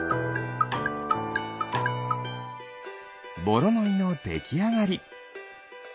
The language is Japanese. ボロノイのできあがり。